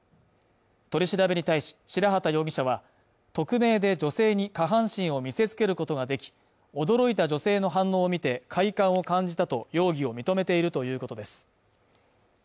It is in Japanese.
取り調べに対し白籏容疑者は、匿名で女性に下半身を見せつけることができ驚いた女性の反応を見て快感を感じたと容疑を認めているということです。